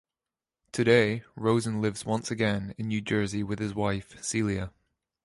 Today, Rosen lives once again in New Jersey with his wife, Celia.